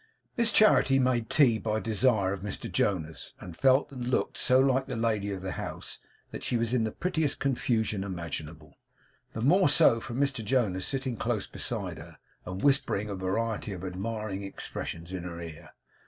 Miss Charity made tea by desire of Mr Jonas, and felt and looked so like the lady of the house that she was in the prettiest confusion imaginable; the more so from Mr Jonas sitting close beside her, and whispering a variety of admiring expressions in her ear.